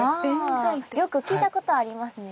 よく聞いたことありますね